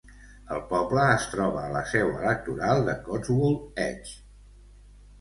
El poble es troba a la seu electoral de Cotswold Edge.